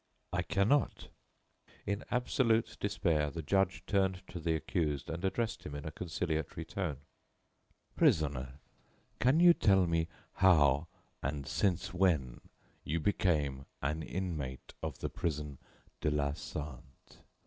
"I cannot." In absolute despair, the judge turned to the accused and addressed him in a conciliatory tone: "Prisoner, can you tell me how, and since when, you became an inmate of the Prison de la Santé?"